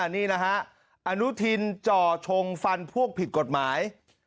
นี่นะฮะอนุทินจ่อชงฟันพวกผิดกฎหมาย